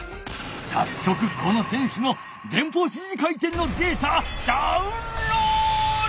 さっそくこの選手の前方支持回転のデータダウンロード！